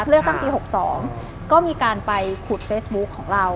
เลือกตั้งปี๖๒ก็มีการไปขุดเฟซบุ๊คของเรา